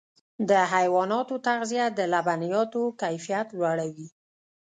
د حیواناتو تغذیه د لبنیاتو کیفیت لوړوي.